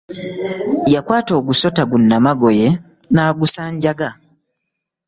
Yakwata ogusota gu namagoye n'agusanjaga.